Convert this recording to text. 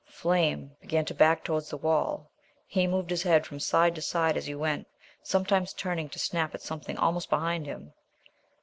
Flame began to back towards the wall. He moved his head from side to side as he went, sometimes turning to snap at something almost behind him.